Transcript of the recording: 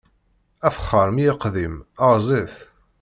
Afexxaṛ mi yiqdem, erẓ-it!